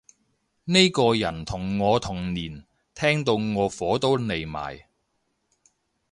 呢個人同我同年，聽到我火都嚟埋